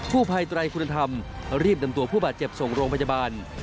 ผู้ภัยไตรคุณธรรมรีบนำตัวผู้บาดเจ็บส่งโรงพยาบาล